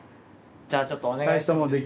じゃあちょっとお願いしても。